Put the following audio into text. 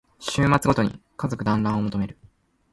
週末ごとに家族だんらんを求める